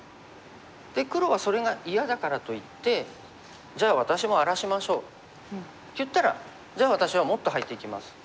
黒はそれが嫌だからといって「じゃあ私も荒らしましょう」って言ったら「じゃあ私はもっと入っていきます」。